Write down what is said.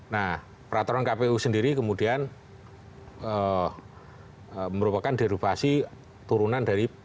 nah peraturan kpu sendiri kemudian merupakan derupasi turunan dari